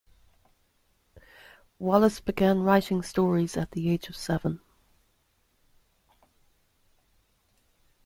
Wallace began writing stories at the age of seven.